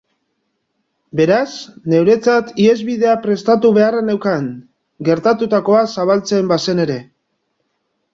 Beraz, neuretzat ihesbidea prestatu beharra neukaan, gertatutakoa zabaltzen bazen ere.